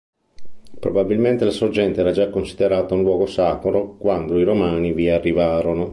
Probabilmente la sorgente era già considerata un luogo sacro quando i Romani vi arrivarono.